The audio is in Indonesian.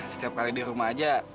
setiap kali di rumah aja